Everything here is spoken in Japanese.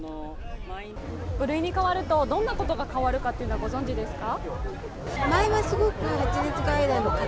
５類に変わるとどんなことが変わるかはご存じですか？